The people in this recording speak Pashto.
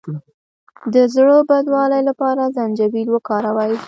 د زړه بدوالي لپاره زنجبیل وکاروئ